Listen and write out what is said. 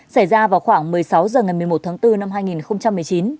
xảy ra vào khoảng một mươi sáu h ngày một mươi một tháng bốn năm hai nghìn một mươi chín